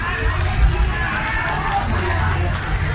อันนี้ก็มันถูกประโยชน์ก่อน